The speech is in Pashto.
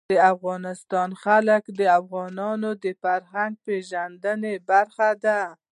د افغانستان جلکو د افغانانو د فرهنګي پیژندنې برخه ده.